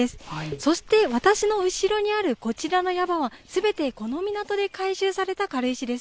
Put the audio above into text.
そして、私の後ろにあるこちらの山は、すべてこの港で回収された軽石です。